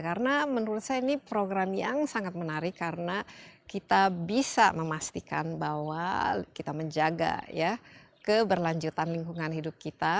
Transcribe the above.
karena menurut saya ini program yang sangat menarik karena kita bisa memastikan bahwa kita menjaga ya keberlanjutan lingkungan hidup kita